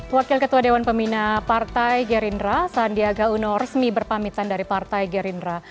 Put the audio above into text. wakil ketua dewan pembina partai gerindra sandiaga uno resmi berpamitan dari partai gerindra